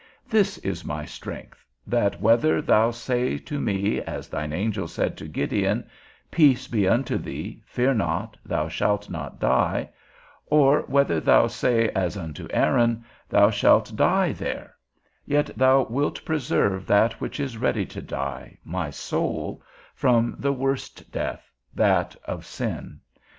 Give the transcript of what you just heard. This is my strength, that whether thou say to me, as thine angel said to Gideon, Peace be unto thee, fear not, thou shalt not die; or whether thou say, as unto Aaron, Thou shalt die there; yet thou wilt preserve that which is ready to die, my soul, from the worst death, that of sin.